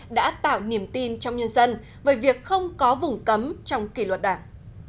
đã tạo niềm tin trong nhân dân về việc không có vùng cấm trong kỷ luật đảng